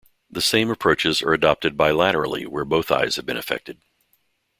The same approaches are adopted bilaterally where both eyes have been affected.